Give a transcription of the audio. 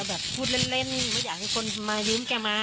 มังหรอแกอาจจะพูดเล่นว่าอยากให้คนมายืมแกมา